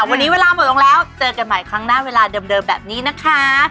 วันนี้เวลาหมดลงแล้วเจอกันใหม่ครั้งหน้าเวลาเดิมแบบนี้นะคะ